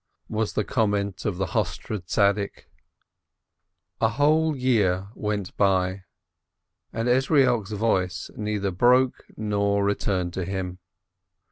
was the comment of the Hostre saint. A whole year went by, and Ezrielk's voice neither broke nor returned to him.